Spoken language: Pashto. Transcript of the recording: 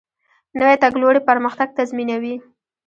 نوی تګلوری پرمختګ تضمینوي